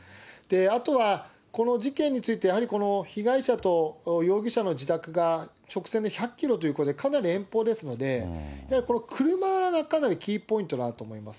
あとは、この事件について、やはり、この被害者と容疑者の自宅が直線で１００キロということで、かなり遠方ですので、車がかなりキーポイントになると思います。